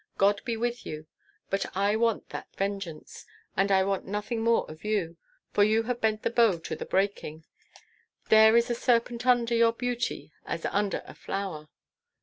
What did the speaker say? God be with you, but I want that vengeance. And I want nothing more of you, for you have bent the bow to the breaking. There is a serpent under your beauty as under a flower."